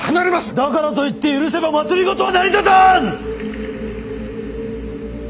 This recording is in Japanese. だからといって許せば政は成り立たん！